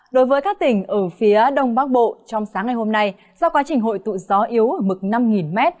đối với các tỉnh ở phía đông bắc bộ trong sáng ngày hôm nay do quá trình hội tụ gió yếu ở mực năm m